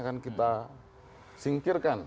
akan kita singkirkan